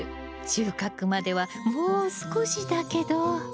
収穫まではもう少しだけど。